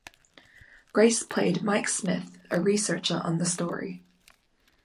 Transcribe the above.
Grace played Mike Smith, a researcher on the story.